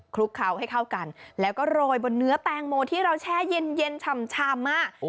ลุกเขาให้เข้ากันแล้วก็โรยบนเนื้อแตงโมที่เราแช่เย็นชำ